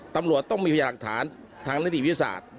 ตำรวจต้องมีพยาหลักฐานทางนิติวิทยาศาสตร์